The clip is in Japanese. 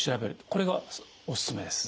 これがおすすめです。